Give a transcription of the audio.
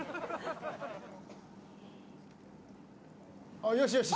ああよしよし。